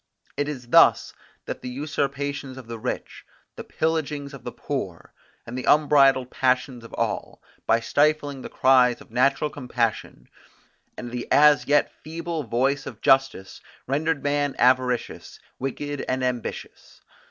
It is thus that the usurpations of the rich, the pillagings of the poor, and the unbridled passions of all, by stifling the cries of natural compassion, and the as yet feeble voice of justice, rendered man avaricious, wicked and ambitious.